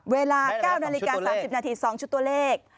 เวลา๙นาฬิกา๓๐นาที๒ชุดตัวเลข